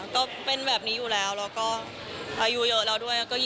ก็เป็นแบบนี้อยู่แล้วแล้วก็อายุเยอะแล้วด้วย